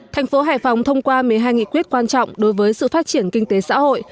thành phố hải phòng thông qua một mươi hai nghị quyết quan trọng đối với sự phát triển kinh tế xã hội